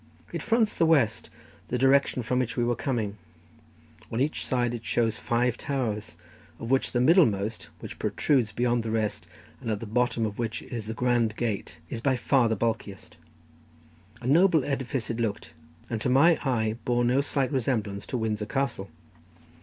It fronts the west, the direction from which we were coming; on each side it shows five towers, of which the middlemost, which protrudes beyond the rest, and at the bottom of which is the grand gate, is by far the bulkiest. A noble edifice it looked, and to my eye bore no slight resemblance to Windsor Castle.